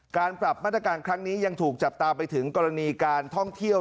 การปรับมาตรการครั้งนี้ยังถูกจับตามไปถึงกรณีการท่องเที่ยว